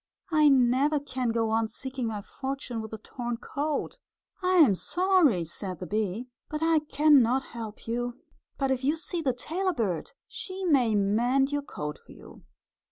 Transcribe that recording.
"I never can go on seeking my fortune with a torn coat." "I am sorry," said the bee, "but I can not help you. But if you see the tailor bird she may mend your coat for you."